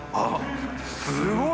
△すごい！